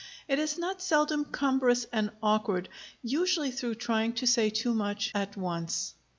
It is not seldom cumbrous and awkward, usually through trying to say too much at once.